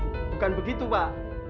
bukan begitu pak